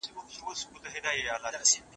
کله چې زه په کلي کې وم نو لوبیا مې پخولې.